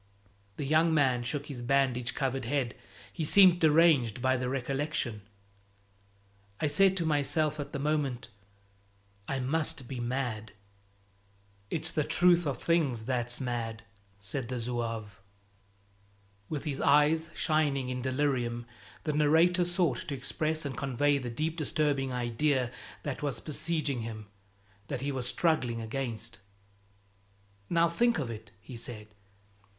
The young man shook his bandage covered head; he seemed deranged by the recollection. "I said to myself at the moment, 'I must be mad!'" "It's the truth of things that's mad," said the zouave. With his eyes shining in delirium, the narrator sought to express and convey the deep disturbing idea that was besieging him, that he was struggling against. "Now think of it!" he said.